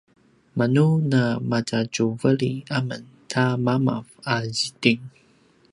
manu na matjatjuveli amen ta mamav a ziting